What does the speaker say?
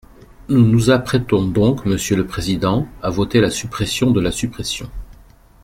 Nous nous apprêtons donc, monsieur le président, à voter la suppression de la suppression.